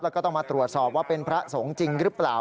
แล้วก็ต้องมาตรวจสอบว่าเป็นพระสงฆ์จริงหรือเปล่า